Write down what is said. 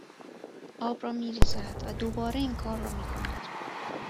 آب را میریزد و دوباره اینکار را میکند